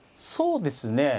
そうですね